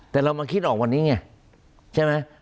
แต่เรามาคิดออกวันนี้ไง